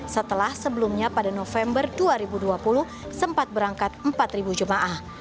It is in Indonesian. setelah sebelumnya pada november dua ribu dua puluh sempat berangkat empat jemaah